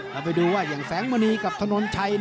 เราไปดูว่าอย่างแสงมณีกับถนนชัย